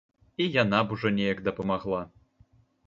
І яна б ужо неяк дапамагла.